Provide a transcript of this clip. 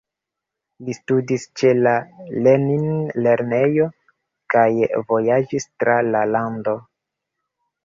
Li studis ĉe la Lenin-lernejo kaj vojaĝis tra la lando.